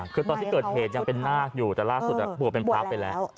คือตอนที่เกิดเหตุยังเป็นนาคอยู่แต่ล่าสุดบวชเป็นพระไปแล้ว